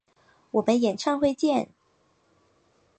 我们演唱会见！